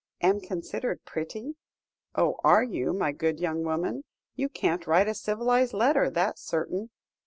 'Am considered pretty' oh, are you, my good young woman? You can't write a civilised letter, that's certain.